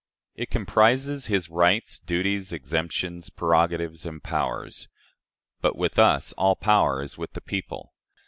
It comprises his rights, duties, exemptions, prerogatives, and powers. But with us all power is with the people.